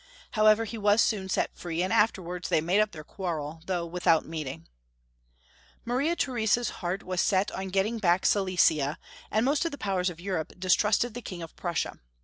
However, he was soon set free, and afterwards they made up their quarrel, though without meeting. Marie Theresa's heart was set on getting back Silesia, and most of the powers of Europe distrusted the King of Prussia.